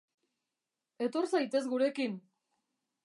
Etor zaitez gurekin.